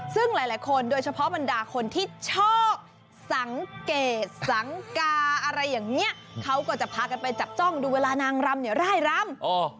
ซึ่งหลายคนโดยเฉพาะบรรดาคนที่ชอบสังเกตสังกาอะไรอย่างนี้เขาก็จะพากันไปจับจ้องดูเวลานางรำเนี่ยร่ายรำ